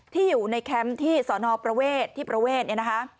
ที่อยู่ในคร็มที่สอนอประเวทที่ประเวทไงนะคะ